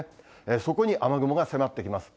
そこに雨雲が迫ってきます。